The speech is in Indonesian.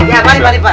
ya mari pak silakan